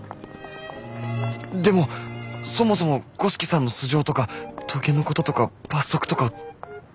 でもそもそも五色さんの素性とか棘のこととか罰則とかどこまで。